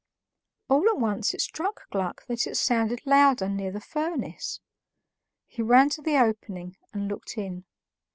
All at once it struck Gluck that it sounded louder near the furnace. He ran to the opening and looked in.